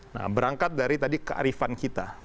nah berangkat dari tadi kearifan kita